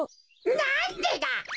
なんでだ？